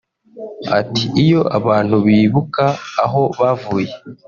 Ati "Iyo abantu bibuka aho bavuye